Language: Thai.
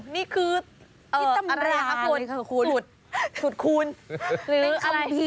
นี่คืออันราสุดคูณ